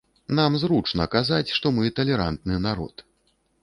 Нам зручна казаць, што мы талерантны народ.